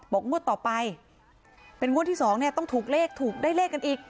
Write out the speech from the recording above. งวดต่อไปเป็นงวดที่สองเนี่ยต้องถูกเลขถูกได้เลขกันอีก